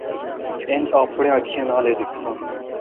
اجّ اپنڑیاں اکھّیا نال اے دِکھساں۔